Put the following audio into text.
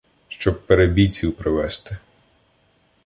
Щоб перебійців привести.